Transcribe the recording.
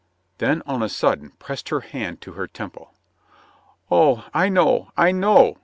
Then on a sudden pressed her hand to her temple. "Oh, I know, I know!"